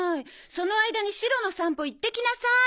その間にシロの散歩行って来なさーい！